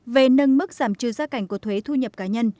về nâng mức giảm trừ gia cảnh của thuế thu nhập cá nhân